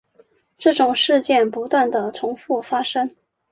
这种事件不断地重覆发生。